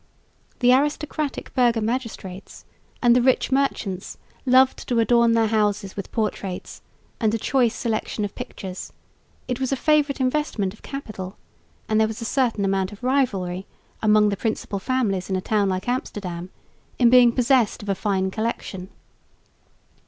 The aristocratic burgher magistrates and the rich merchants loved to adorn their houses with portraits and a choice selection of pictures; it was a favourite investment of capital, and there was a certain amount of rivalry among the principal families in a town like Amsterdam in being possessed of a fine collection.